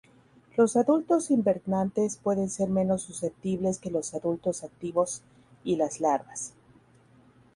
Los adultos invernantes pueden ser menos susceptibles que los adultos activos y las larvas.